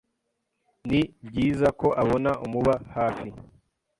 ni byiza ko abona umuba hafi